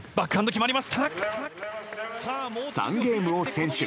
３ゲームを先取。